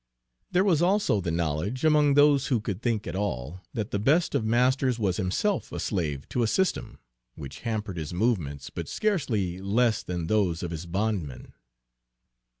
There was also the knowledge, among those who could think at all, that the best of masters was himself a slave to a system, which hampered his movements but scarcely less than those of his bondmen.